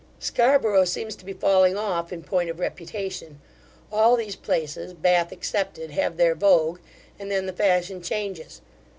Scarborough seems to be falling off, in point of reputation. All these places (Bath excepted) have their vogue, and then the fashion changes.